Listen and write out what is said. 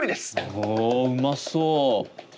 おうまそ。